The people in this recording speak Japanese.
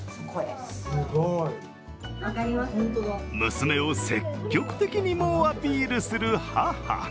娘を積極的に猛アピールする母。